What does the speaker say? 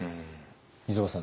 溝端さん